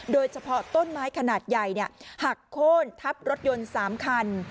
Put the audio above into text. โดยเฉพาะต้นไม้ขนาดใหญ่หักโค้นทับรถยนต์๓คัน